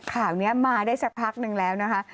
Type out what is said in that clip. ข่าวนี้มาได้สักพักนึงแล้วนะคะ